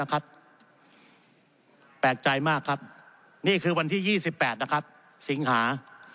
แปลกใจมากครับนี่คือวันที่๒๘สิงหา